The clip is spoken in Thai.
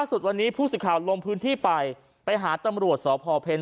สุดวันนี้ผู้สิทธิ์ข่าวลงพื้นที่ไปไปหาตำรวจสพเพ็ญ